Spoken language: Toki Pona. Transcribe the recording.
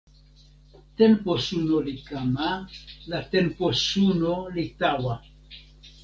tenpo suno li kama, la tenpo suno li tawa.